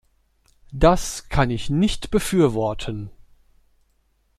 Das kann ich nicht befürworten.